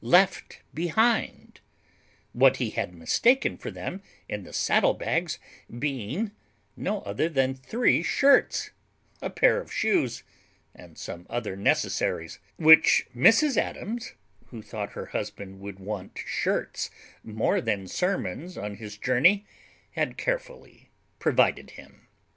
left behind; what he had mistaken for them in the saddlebags being no other than three shirts, a pair of shoes, and some other necessaries, which Mrs Adams, who thought her husband would want shirts more than sermons on his journey, had carefully provided him.